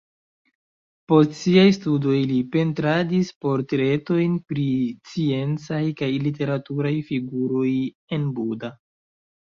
Post siaj studoj li pentradis portretojn pri sciencaj kaj literaturaj figuroj en Buda.